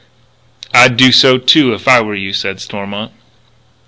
"I'd do so, too, if I were you," said Stormont.